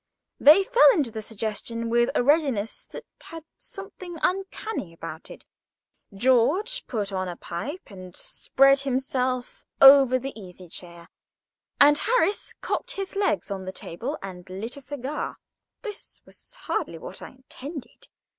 They fell into the suggestion with a readiness that had something uncanny about it. George put on a pipe and spread himself over the easy chair, and Harris cocked his legs on the table and lit a cigar. This was hardly what I intended.